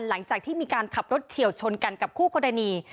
หลังจากที่มีการขับรถเฉียวชนกันกับคู่กรณี